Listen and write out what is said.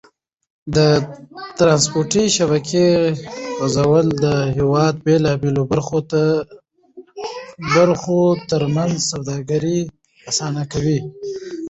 د ترانسپورتي شبکې غځول د هېواد د بېلابېلو برخو تر منځ سوداګري اسانه کوي.